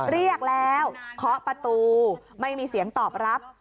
เรียกแล้วเคาะประตูไม่มีเสียงตอบรับ